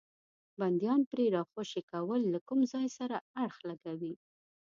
بندیان پرې راخوشي کول له کوم ځای سره اړخ لګوي.